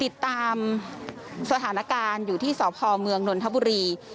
ติดตามสถานการณ์อยู่ที่สพเมืองนนทบุรี